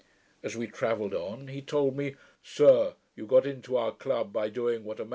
As we travelled on, he told me, 'Sir, you got into our club by doing what a man can do.